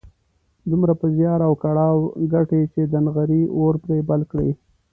دومره په زيار او کړاو ګټي چې د نغري اور پرې بل کړي.